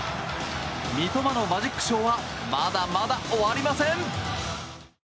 三笘のマジックショーはまだまだ終わりません！